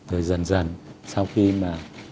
rồi dần dần sau khi mà